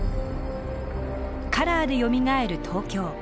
「カラーでよみがえる東京」。